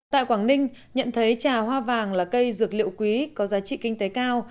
tại quảng ninh nhận thấy trà hoa vàng là cây dược liệu quý có giá trị kinh tế cao